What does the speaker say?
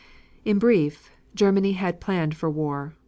In brief, Germany had planned for war.